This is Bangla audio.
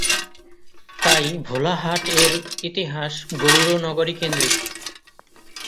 তাই ভোলাহাট-এর ইতিহাস গৌড় নগরী-কেন্দ্রীক।